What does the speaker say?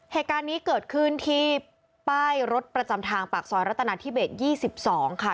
เหตุการณ์นี้เกิดขึ้นที่ป้ายรถประจำทางปากซอยรัตนาธิเบส๒๒ค่ะ